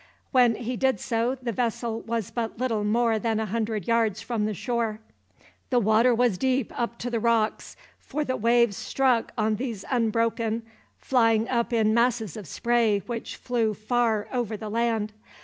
When he did so the vessel was but little more than a hundred yards from the shore. The water was deep up to the rocks, for the waves struck on these unbroken, flying up in masses of spray which flew far over the land.